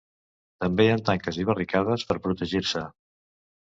També hi ha tanques i barricades per protegir-se.